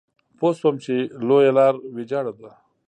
پوه شوم چې لویه لار ويجاړه ده.